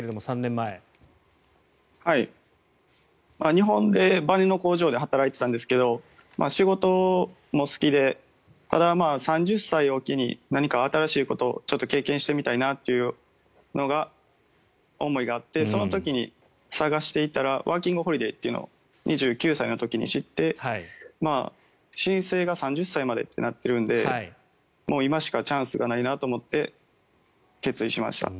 日本でばねの工場で働いていたんですが仕事も好きでただ、３０歳を機に何か新しいことを経験してみたいなという思いがあってその時に探していたらワーキングホリデーというのを２９歳の時に知って、申請が３０歳までとなっているのでもう今しかチャンスがないなと思って決意しました。